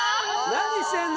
何してんの？